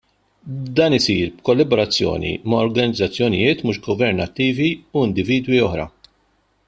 Dan isir b'kollaborazzjoni ma' organizzazzjonijiet mhux governattivi u individwi oħra.